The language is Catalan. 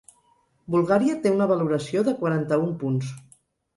Bulgària té una valoració de quaranta-un punts.